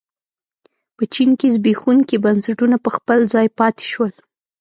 په چین کې زبېښونکي بنسټونه په خپل ځای پاتې شول.